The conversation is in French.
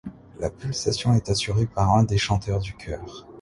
La pulsation est assurée par un des chanteurs du chœur.